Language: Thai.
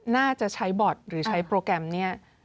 น่าจะใช้บอร์ดหรือใช้โปรแกรมนี้